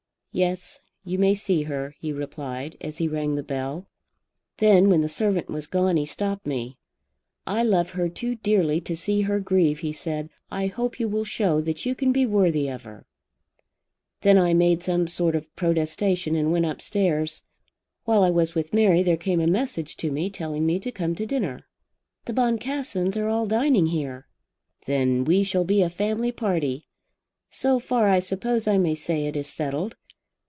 'Yes; you may see her,' he replied, as he rang the bell. Then when the servant was gone he stopped me. 'I love her too dearly to see her grieve,' he said. 'I hope you will show that you can be worthy of her.' Then I made some sort of protestation and went upstairs. While I was with Mary there came a message to me, telling me to come to dinner." "The Boncassens are all dining here." "Then we shall be a family party. So far I suppose I may say it is settled.